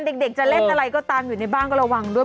เด็กจะเล่นอะไรก็ตามอยู่ในบ้านก็ระวังด้วย